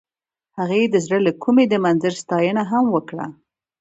هغې د زړه له کومې د منظر ستاینه هم وکړه.